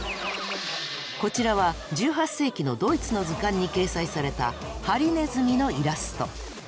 こちらは１８世紀のドイツの図鑑に掲載されたハリネズミのイラスト。